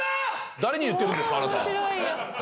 誰に言ってるんですかあなた？